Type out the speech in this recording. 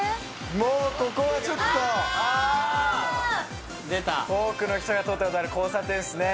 もうここはちょっとああ出た多くの人が通ったことある交差点っすね